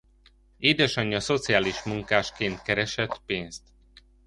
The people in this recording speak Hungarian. Édesanyja szociális munkásként keresett pénzt.